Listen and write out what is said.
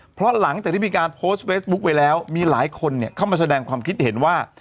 เพราะหลังจากที่มีการโพสต์เฟซบุ๊คไว้แล้วมีหลายคนเข้ามาแสดงความคิดเห็นว่า